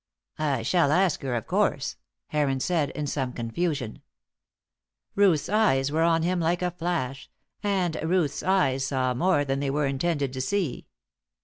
"I shall ask her, of course," Heron said, in some confusion. Ruth's eyes were on him like a flash, and Ruth's eyes saw more than they were intended to see.